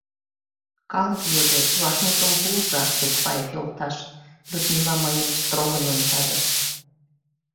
— Калык йодеш, вашмутым пуыза, Пекпаев йолташ, — Людмила мыйым строгын ончале.